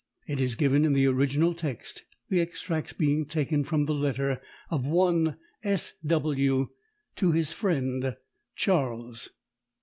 It is given in the original text, the extracts being taken from the letter of one "S. W." to his friend "Charles."